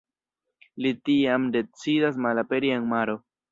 Li tiam decidas malaperi en maro.